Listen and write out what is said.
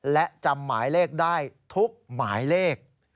และจำหมายเลขได้ทุกหมายเลข